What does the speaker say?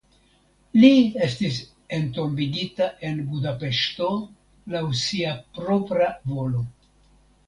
Li estis entombigita en Budapeŝto laŭ sia propra volo.